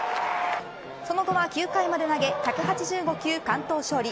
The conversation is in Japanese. その後は９回まで投げ１８５球完投勝利。